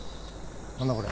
何だこれ。